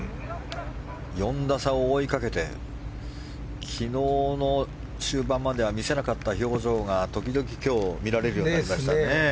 ４打差を追いかけて昨日の中盤までは見せなかった表情が、時々今日見られるようになりましたね。